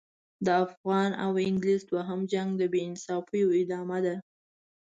د افغان او انګلیس دوهم جنګ د بې انصافیو ادامه ده.